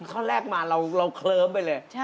ค่ะท่อนแรกมาเราเคลิ้มไปเลย